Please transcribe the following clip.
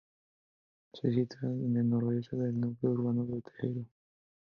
Se sitúa en el noroeste del núcleo urbano de Teijeiro.